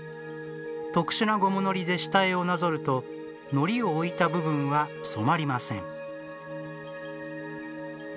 特殊なゴム糊で下絵をなぞると糊を置いた部分は染まりません。